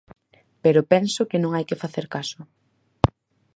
Pero penso que non hai que facer caso.